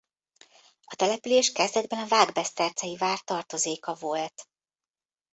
A település kezdetben a vágbesztercei vár tartozéka volt.